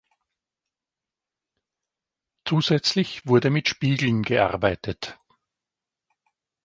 Zusätzlich wurde mit Spiegeln gearbeitet.